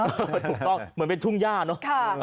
ถูกต้องเหมือนเป็นทุ่งย่าเนอะ